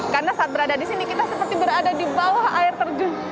karena saat berada disini kita seperti berada di bawah air terjun